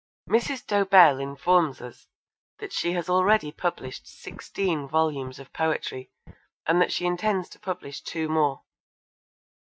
Mrs. Dobell informs us that she has already published sixteen volumes of poetry and that she intends to publish two more.